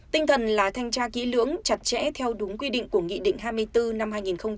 tinh thần là thanh tra kỹ lưỡng chặt chẽ theo đúng quy định của nghị định hai mươi bốn năm hai nghìn một mươi chín